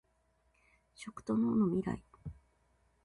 食と農のミライ